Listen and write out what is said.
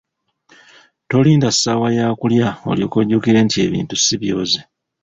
Tolinda ssaawa ya kulya olyoke ojjukire nti ebintu si byoze.